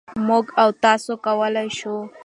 مـوږ او تاسـو کـولی شـو